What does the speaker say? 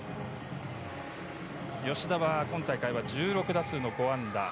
吉田は今大会は１６打数の５安打。